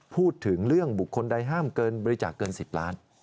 พูดถึงเรื่องบุคคลใดห้ามเกินบริจาคเกิน๑๐ล้าน